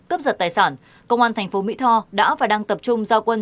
cấp giật tài sản công an tp mỹ tho đã và đang tập trung giao quân